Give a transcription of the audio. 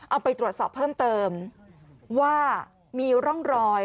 เอาไปตรวจสอบเพิ่มเติมว่ามีร่องรอย